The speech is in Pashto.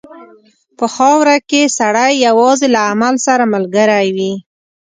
په خاوره کې سړی یوازې له عمل سره ملګری وي.